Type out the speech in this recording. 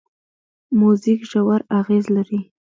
موزیک ژور اغېز لري.